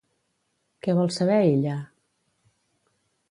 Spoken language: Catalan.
Què vol saber ella?